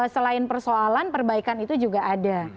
selain persoalan perbaikan itu juga ada